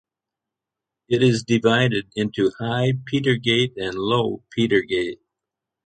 It is divided into High Petergate and Low Petergate.